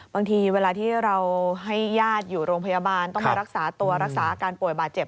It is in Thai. บางทีเวลาที่เราให้ญาติอยู่โรงพยาบาลต้องมารักษาตัวรักษาอาการป่วยบาดเจ็บ